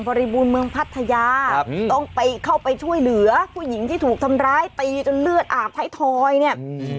บริบูรณ์เมืองพัทยาครับต้องไปเข้าไปช่วยเหลือผู้หญิงที่ถูกทำร้ายตีจนเลือดอาบท้ายทอยเนี่ย